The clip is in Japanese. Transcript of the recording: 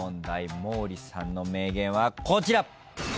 毛利さんの名言はこちら。